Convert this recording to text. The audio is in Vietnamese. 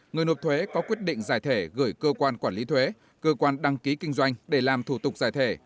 người nộp thuế có quyết định giải thể gửi cơ quan quản lý thuế cơ quan đăng ký kinh doanh để làm thủ tục giải thể